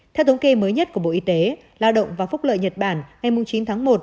theo thống kê mới nhất của bộ y tế lao động và phúc lợi nhật bản ngày chín tháng một